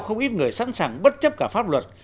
không ít người sẵn sàng bất chấp cả pháp luật